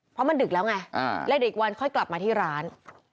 เพราะมันดึกแล้วไงและอีกวันค่อยกลับมาที่ร้าน